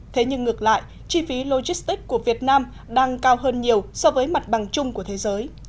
thế nhưng ngược lại chi phí logistics của việt nam đang cao hơn nhiều so với mặt bằng chung của thế giới